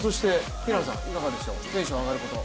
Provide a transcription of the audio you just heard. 平野さん、いかがでしょう、テンション上がること。